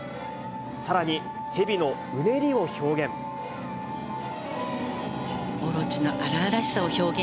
さらに、蛇のうねりを表現。